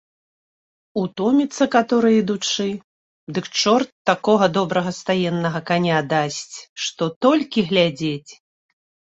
Утоміцца каторы ідучы, дык чорт такога добрага стаеннага каня дасць, што толькі глядзець.